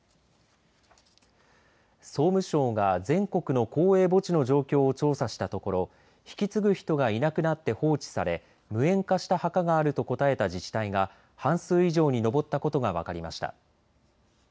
総務省が全国の公営墓地の状況を調査したところ引き継ぐ人がいなくなって放置され無縁化した墓があると答えた自治体が半数以上に上ったことが分かりました。